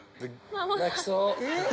泣きそう。